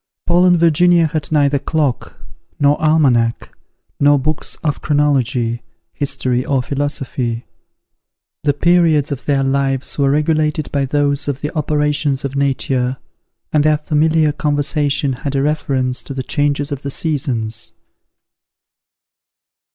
Paul and Virginia had neither clock, nor almanack, nor books of chronology, history or philosophy. The periods of their lives were regulated by those of the operations of nature, and their familiar conversation had a reference to the changes of the seasons.